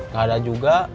gak ada juga